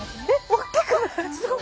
大きくない？